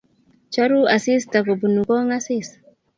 choru asista kobunu kong'asis